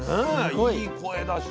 いい声だし。